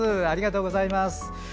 ありがとうございます。